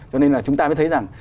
cho nên là chúng ta mới thấy rằng